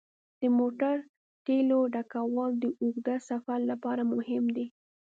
د موټر تیلو ډکول د اوږده سفر لپاره مهم دي.